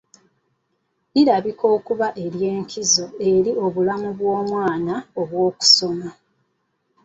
Lirabika okuba ery’enkizo eri obulamu bw’omwana obw’okusoma.